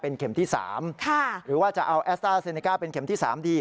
เข็มที่๓หรือว่าจะเอาแอสต้าเซเนก้าเป็นเข็มที่๓ดี